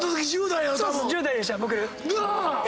１０代でした僕。